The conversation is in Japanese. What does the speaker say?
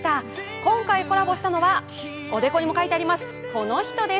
今回コラボしたのは、おでこにも書いてあります、この人です。